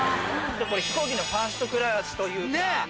これ飛行機のファーストクラスというか。